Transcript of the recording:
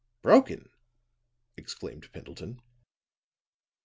"Broken!" exclaimed Pendleton.